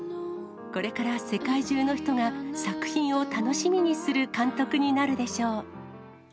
これから世界中の人が作品を楽しみにする監督になるでしょう。